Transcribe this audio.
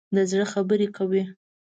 د زړه خبره کوي.